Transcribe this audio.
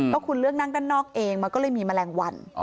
ก็คุณเลือกนั่งด้านนอกเองมันก็เลยมีแมลงวัน